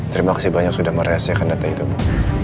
terima kasih banyak sudah merasiakan data itu bu